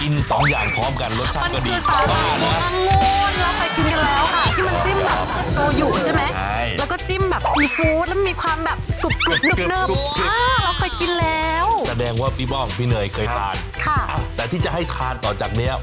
กินสองอย่างพร้อมกันรสชาติก็ดี